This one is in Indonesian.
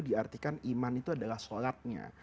diartikan iman itu adalah sholatnya